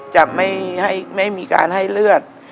จะไม่มีการให้เลือด